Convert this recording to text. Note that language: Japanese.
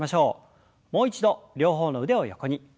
もう一度両方の腕を横に。